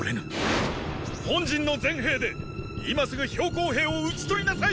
本陣の全兵で今すぐ公兵を討ち取りなさい！